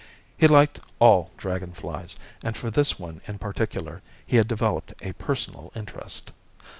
He liked all dragon flies, and for this one in particular he had developed a personal interest.